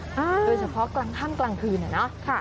โดยเฉพาะข้างกลางคืนเนี่ยเนาะ